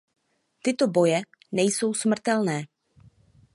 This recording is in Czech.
Tyto boje nejsou smrtelné.